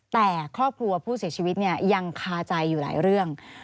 แต่ครอบครัวผู้เสียชีวิตยังคาใจอยู่หลายเรื่อง